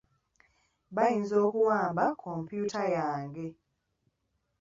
Bayinza okuwamba kompyuta yange.